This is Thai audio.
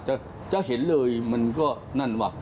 จะเห็นเลยมันก็นั่นว่ะ